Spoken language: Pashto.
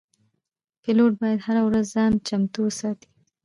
پیلوټ باید هره ورځ ځان چمتو وساتي.